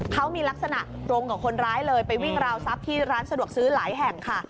เขามีลักษณะตรงกับคนร้ายเลยไปวิ่งราวทรัพย์ที่ร้านสะดวกซื้อหลายแห่งค่ะ